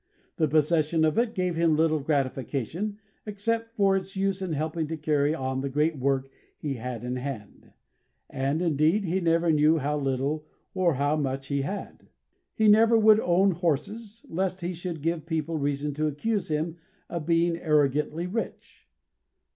The possession of it gave him little gratification except for its use in helping to carry on the great work he had in hand; and, indeed, he never knew how little or how much he had. He never would own horses lest he should give people reason to accuse him of being arrogantly rich.